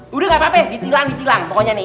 gajil apa ditilang titlang pokoknya nih